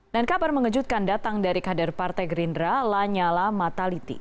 dan kabar mengejutkan datang dari kader partai gerindra lanyala mataliti